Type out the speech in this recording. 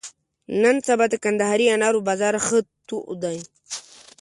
نن سبا د کندهاري انارو بازار ښه تود دی.